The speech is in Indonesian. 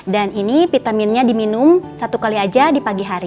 dan ini vitaminnya diminum satu kali aja di pagi hari